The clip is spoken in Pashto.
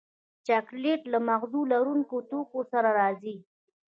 چاکلېټ له مغز لرونکو توکو سره راځي.